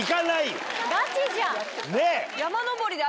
ガチじゃん。ねぇ？